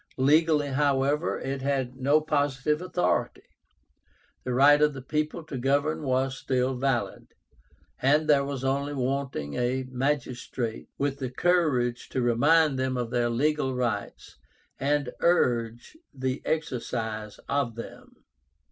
Legally, however, it had no positive authority. The right of the people to govern was still valid, and there was only wanting a magistrate with the courage to remind them of their legal rights, and urge the exercise of them.